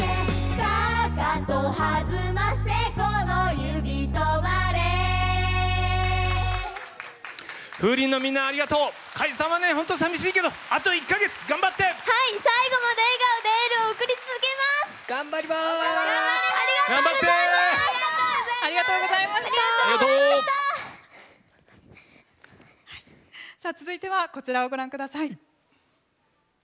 さあ続いてはこちらをご覧ください。